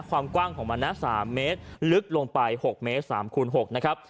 ความกว้างของมันนะ๓เมตรลึกลงไป๖เมตร๓คูณ๖นะครับ